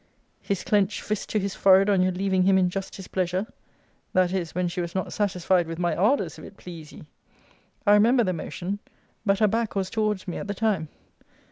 'His clenched fist to his forehead on your leaving him in just displeasure' that is, when she was not satisfied with my ardours, if it please ye! I remember the motion: but her back was towards me at the time.